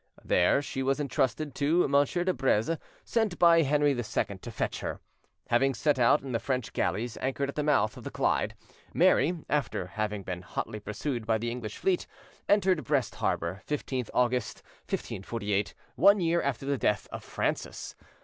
There she was entrusted to M. de Breze, sent by Henry II to fetch her. Having set out in the French galleys anchored at the mouth of the Clyde, Mary, after having been hotly pursued by the English fleet, entered Brest harbour, 15th August, 1548, one year after the death of Francis!